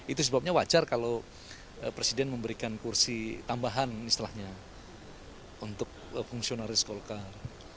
itu sebabnya wajar kalau presiden memberikan kursi tambahan istilahnya untuk fungsionaris golkar